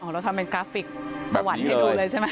อ๋อแล้วทำเป็นกราฟิกสวรรค์เฮโร่เลยใช่ไหม